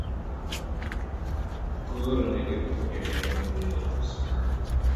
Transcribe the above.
Goro no Kifuja ne oguro e apisi mare.